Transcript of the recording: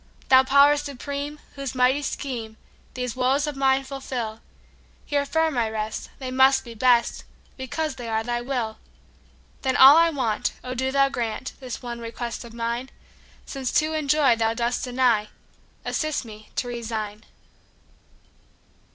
Thou Power Supreme, whose mighty schemeThese woes of mine fulfil, Here firm I rest; they must be best, Because they are Thy will! Then all I want—O do Thou grantThis one request of mine!—Since to enjoy Thou dost deny, Assist me to resign.